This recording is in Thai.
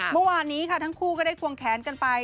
เมื่อวานนี้ค่ะทั้งคู่ก็ได้ควงแขนกันไป